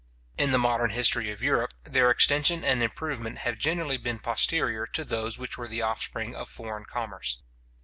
In the modern history of Europe, their extension and improvement have generally been posterior to those which were the offspring of foreign commerce.